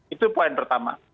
itu poin pertama